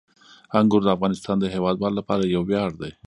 انګور د افغانستان د هیوادوالو لپاره یو ویاړ دی.